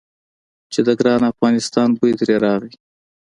چې د ګران افغانستان بوی ترې راغی.